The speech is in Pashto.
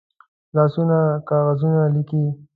لاسونه کاغذونه لیکي